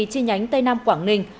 chi nhánh tây nam quảng ninh